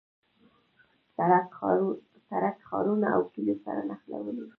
سړک ښارونه او کلیو سره نښلوي.